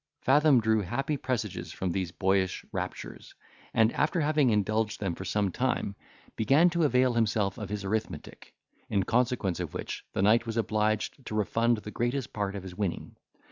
Fathom drew happy presages from these boyish raptures, and, after having indulged them for some time, began to avail himself of his arithmetic, in consequence of which the knight was obliged to refund the greatest part of his winning.